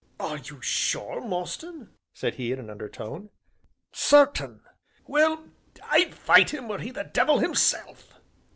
"Are you sure, Mostyn?" said he in an undertone. "Certain." "Well, I'd fight him were he the devil himself!